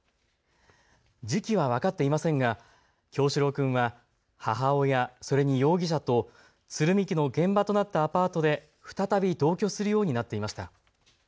時期は分かっていませんが叶志郎君は母親、それに容疑者とと鶴見区の現場となったアパートで再び同居するようになっていました。